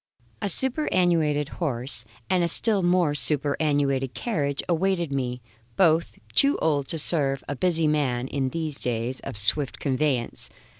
A superannuated horse and a still more superannuated carriage awaited me both too old to serve a busy man in these days of swift conveyance.